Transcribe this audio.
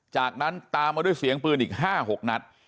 จากนั้นตามมาด้วยเสียงปืนอีก๕๖นัด